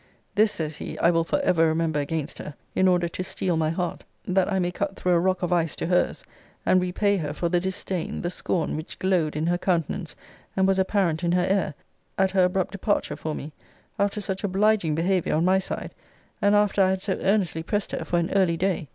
] This, says he, I will for ever remember against her, in order to steel my heart, that I may cut through a rock of ice to hers; and repay her for the disdain, the scorn, which glowed in her countenance, and was apparent in her air, at her abrupt departure for me, after such obliging behaviour on my side, and after I had so earnestly pressed her for an early day.